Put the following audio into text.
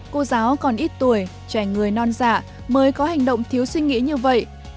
cô giáo còn ít tuổi trẻ người non dạ mới có hành động thiếu suy nghĩ như vậy